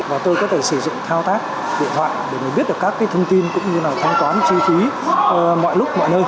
và tôi có thể sử dụng thao tác điện thoại để mình biết được các thông tin cũng như là thanh toán chi phí mọi lúc mọi nơi